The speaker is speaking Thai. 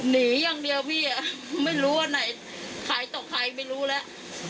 หนีอย่างเดียวพี่ไม่รู้ว่าไหนใครต่อใครไม่รู้แล้ว